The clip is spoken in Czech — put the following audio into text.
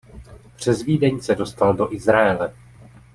Přes Vídeň se dostal do Izraele.